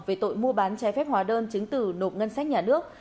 về tội mua bán trái phép hóa đơn chứng từ nộp ngân sách nhà nước